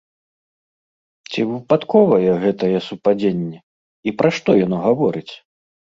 Ці выпадковае гэтае супадзенне і пра што яно гаворыць?